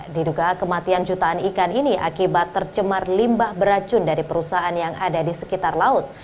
diduga kematian jutaan ikan ini akibat tercemar limbah beracun dari perusahaan yang ada di sekitar laut